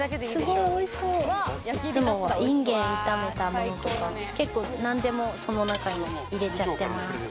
いつもはインゲン炒めたものとか結構何でもその中に入れちゃってます。